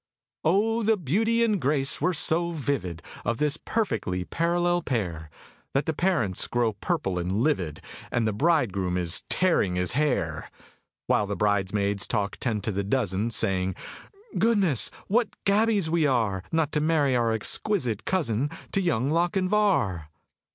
Oh, the beauty and grace are so vivid Of this perfectly parallel pair, That the parents grow purple and livid, And the bridegroom is tearing his hair; While the bridesmaids talk ten to the dozen, Saying: "Goodness, what gabies we are, Not to marry our exquisite cousin To Young Lochinvar!"